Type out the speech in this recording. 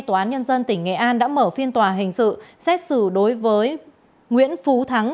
tòa án nhân dân tỉnh nghệ an đã mở phiên tòa hình sự xét xử đối với nguyễn phú thắng